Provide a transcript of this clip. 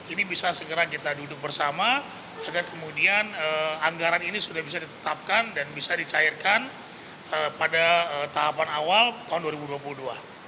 ini bisa segera kita duduk bersama agar kemudian anggaran ini sudah bisa ditetapkan dan bisa dicairkan pada tahapan awal tahun dua ribu dua puluh dua